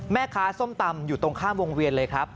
ส้มตำอยู่ตรงข้ามวงเวียนเลยครับ